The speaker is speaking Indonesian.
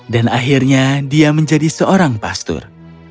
dan akhirnya dia menjadi seorang pastur